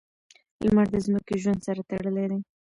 • لمر د ځمکې ژوند سره تړلی دی.